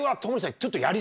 ちょっと。